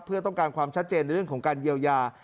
เพื่อต้องการความชัดเจนในเรื่องของการเยียวยา